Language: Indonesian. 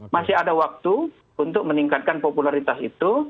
masih ada waktu untuk meningkatkan popularitas itu